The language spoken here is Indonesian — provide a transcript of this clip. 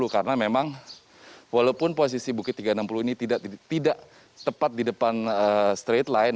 karena memang walaupun posisi bukit tiga ratus enam puluh ini tidak tepat di depan straight line